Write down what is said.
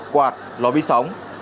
quạt ló bí sóng